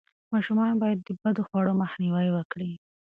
ماشومان باید د بدخواړو مخنیوی وکړي.